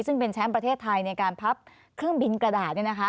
ซึ่งเป็นแชมป์ประเทศไทยในการพับเครื่องบินกระดาษ